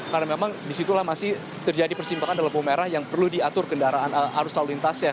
karena memang di situlah masih terjadi persimpangan dalam bumerang yang perlu diatur kendaraan arus lalu lintasnya